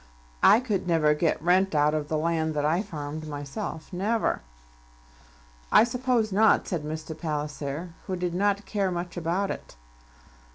I could never get rent out of land that I farmed myself, never." "I suppose not," said Mr. Palliser, who did not care much about it.